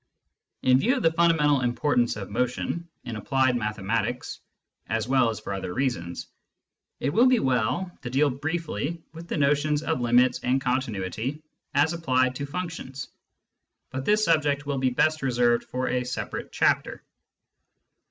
In view of the fundamental importance of motion in applied mathe matics, as well as for other reasons, it will be well to deal briefly with the notions of limits and continuity as applied to functions ; but this subject will be best reserved for a separate chapter.